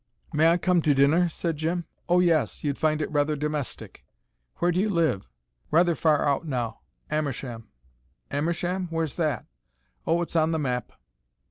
"May I come to dinner?" said Jim. "Oh, yes. You'd find it rather domestic." "Where do you live?" "Rather far out now Amersham." "Amersham? Where's that ?" "Oh, it's on the map."